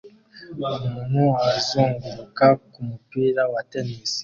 Umuntu azunguruka kumupira wa tennis